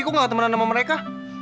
kok nggak temenan sama mereka